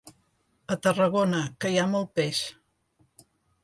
A Tarragona, que hi ha molt peix.